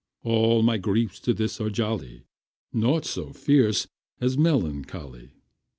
All my griefs to this are jolly, Naught so fierce as melancholy.